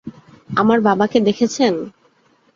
আমার বাবাকে দেখেছেন?